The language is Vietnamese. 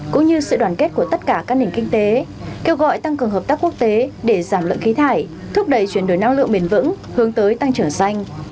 cũng như sự đoàn kết của tất cả các nền kinh tế kêu gọi tăng cường hợp tác quốc tế để giảm lượng khí thải thúc đẩy chuyển đổi năng lượng bền vững hướng tới tăng trưởng xanh